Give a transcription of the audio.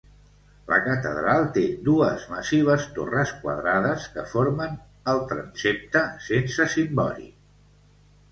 La catedral té dues massives torres quadrades que formen el transsepte, sense cimbori